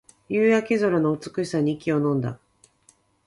夕焼け空の美しさに息をのんだ